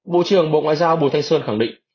bộ trưởng bộ ngoại giao bùi thanh sơn khẳng định